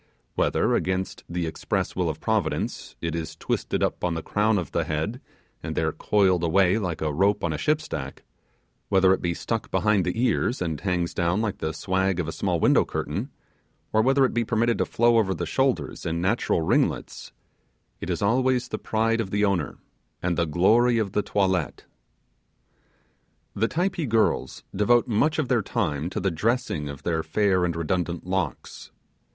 Whether against the express will of Providence, it is twisted upon the crown of the head and there coiled away like a rope on a ship's deck; whether it be stuck behind the ears and hangs down like the swag of a small window curtain; or whether it be permitted to flow over the shoulders in natural ringlets, it is always the pride of the owner, and the glory of the toilette. The Typee girls devote much of their time to the dressing of their fair and redundant locks.